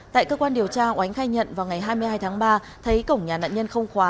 tại cơ quan điều tra oánh khai nhận vào ngày hai mươi hai tháng ba thấy cổng nhà nạn nhân không khóa